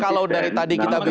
kalau dari tadi kita